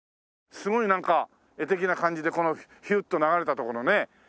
すごいなんか絵的な感じでこのヒュッと流れたとこのね。